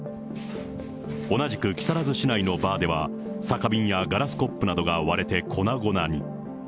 同じく木更津市内のバーでは、酒瓶やガラスコップなどが割れて粉々に。